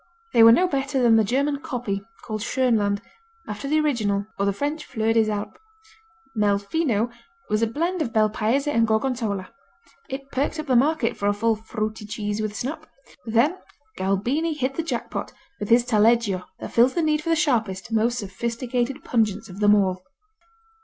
They were no better than the German copy called Schönland, after the original, or the French Fleur des Alpes. Mel Fino was a blend of Bel Paese and Gorgonzola. It perked up the market for a full, fruity cheese with snap. Then Galbini hit the jackpot with his Taleggio that fills the need for the sharpest, most sophisticated pungence of them all.